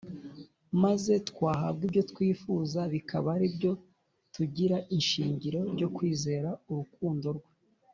; maze twahabwa ibyo twifuza bikaba ari byo tugira ishingiro ryo kwizera urukundo rwe.